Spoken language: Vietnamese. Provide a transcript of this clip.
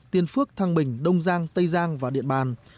tiên phước thăng bình đông giang tây giang và điện bàn